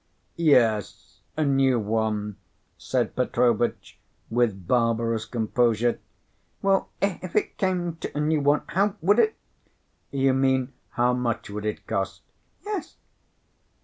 "Yes, a new one," said Petrovitch, with barbarous composure. "Well, if it came to a new one, how would it ?" "You mean how much would it cost?" "Yes."